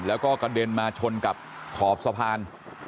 แล้วก็กระเด็นมาชนกับขอบสะพาน